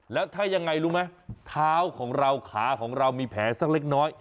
แล้วถ้ายังไงรู้ไหมเท้าของเราขาของเรามีแผลสักเล็กน้อย